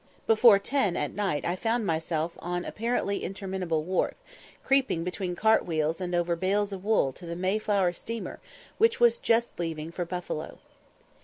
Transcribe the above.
Before ten at night I found myself on an apparently interminable wharf, creeping between cart wheels and over bales of wool to the Mayflower steamer, which was just leaving for Buffalo.